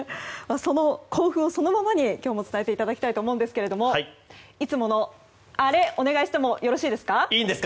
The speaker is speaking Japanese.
その興奮そのままに今日も伝えていただきたいと思うんですけどいつもの、あれお願いしてもよろしいですか？